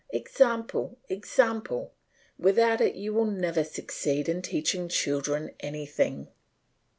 Example! Example! Without it you will never succeed in teaching children anything.